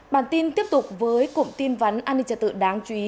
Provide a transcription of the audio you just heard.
bản tin tiếp tục với cụm tin vấn an ninh trật tự đáng chú ý